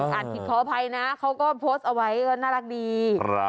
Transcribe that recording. ผิดขออภัยนะเขาก็โพสต์เอาไว้ก็น่ารักดี